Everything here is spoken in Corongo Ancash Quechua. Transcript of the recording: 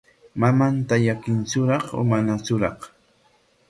¿Mamanta llakintsuraq manatsuraq?